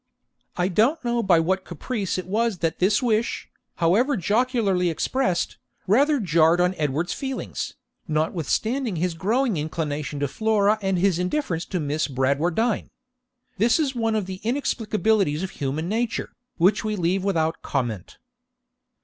I don't know by what caprice it was that this wish, however jocularly expressed, rather jarred on Edward's feelings, notwithstanding his growing inclination to Flora and his indifference to Miss Bradwardine. This is one of the inexplicabilities of human nature, which we leave without comment.